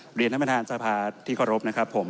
เรียนท่านประธานสภาที่เคารพนะครับผม